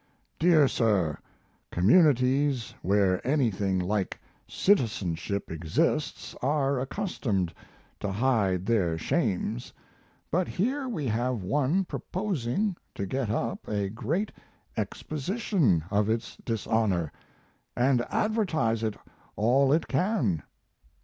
Dear sir, communities where anything like citizenship exists are accustomed to hide their shames, but here we have one proposing to get up a great "exposition" of its dishonor and advertise it all it can.